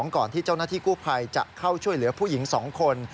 ก่อนที่เจ้าหน้าที่กู้ภัยจะเข้าช่วยเหลือผู้หญิง๒คน